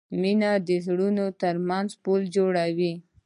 مینه د زړونو ترمنځ پل جوړوي.